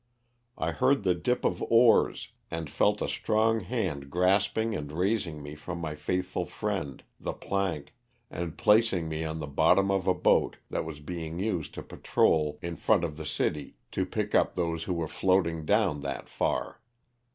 I heard the dip of oars and felt a strong hand grasping and raising me from my faithful friend, the plank, and placing me in the bot tom of a boat that was being used to patrol in front of LOSS OF THE SULTAITA. 195 the city to pick up those whoVere floating down that far.